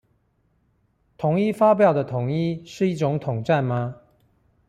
統一發票的統一，是一種統戰嗎？